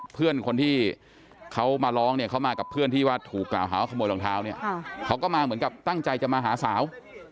เพื่อนที่เขามาร้องเข้ามากับเพื่อนที่ถูกขโมยรองเท้าเขาก็มาเหมือนกับตั้งใจจะมาหาสาว